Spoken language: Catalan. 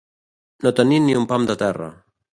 No tenir ni un pam de terra.